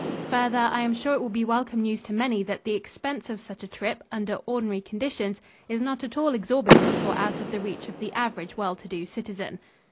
Further, I am sure it will be welcome news to many that the expense of such a trip, under ordinary conditions, is not at all exorbitant or out of the reach of the average well to do citizen.